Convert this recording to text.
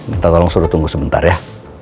minta tolong suruh tunggu sebentar ya